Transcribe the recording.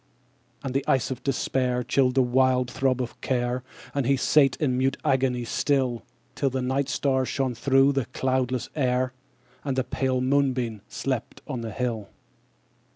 6. And the ice of despair Chilled the wild throb of care, And he sate in mute agony still; Till the night stars shone through the cloudless air, _35 And the pale moonbeam slept on the hill.